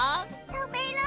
たべる！